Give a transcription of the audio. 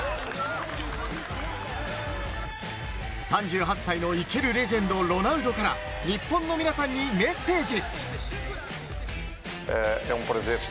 ３８歳の生けるレジェンド、ロナウドから日本の皆さんにメッセージ。